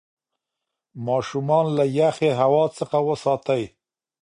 ماشومان له یخې هوا څخه وساتئ.